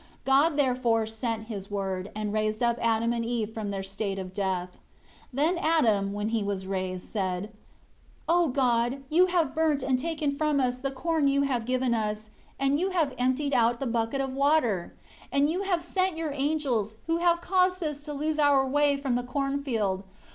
2 God, therefore, sent His Word, and raised up Adam and Eve from their state of death. 3 Then, Adam, when he was raised, said, "O God, You have burnt and taken from us the corn You have given us, and You have emptied out the bucket of water. And You have sent Your angels, who have caused us to lose our way from the corn field.